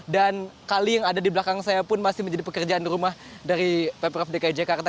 dan kali yang ada di belakang saya pun masih menjadi pekerjaan rumah dari pemprov dki jakarta